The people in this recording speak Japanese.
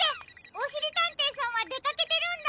おしりたんていさんはでかけてるんだ！